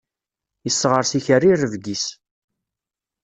Yesseɣres yikerri rrebg-is.